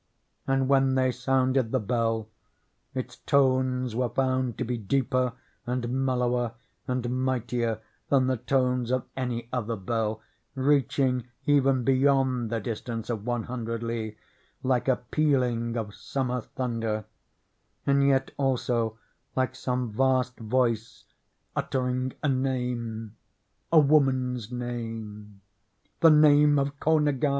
And when they sounded the bell, its tones were found to be deeper and mellower and mightier than the tones of any other bell, — reaching even beyond the distance of one hundred li, like a pealing of summer thunder; and yet also like some vast voice uttering a name, a woman's name, — the name of Ko Ngai!